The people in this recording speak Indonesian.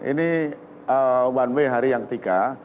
ini one way hari yang ketiga